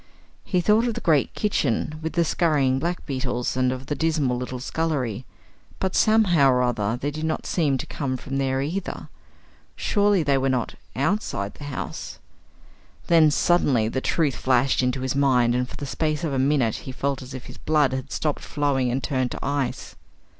He thought of the great kitchen, with the scurrying black beetles, and of the dismal little scullery; but, somehow or other, they did not seem to come from there either. Surely they were not outside the house! Then, suddenly, the truth flashed into his mind, and for the space of a minute he felt as if his blood had stopped flowing and turned to ice.